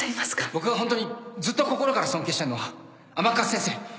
僕がホントにずっと心から尊敬してんのは甘春先生